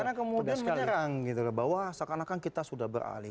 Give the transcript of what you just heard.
karena kemudian menyerang bahwa seakan akan kita sudah beralih